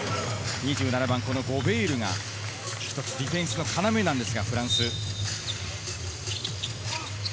２７番のゴベールがディフェンスの要です、フランス。